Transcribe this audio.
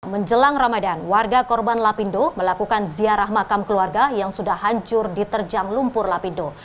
menjelang ramadan warga korban lapindo melakukan ziarah makam keluarga yang sudah hancur diterjang lumpur lapindo